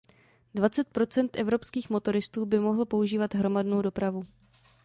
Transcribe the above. Dvacet procent evropských motoristů by mohlo používat hromadnou dopravu.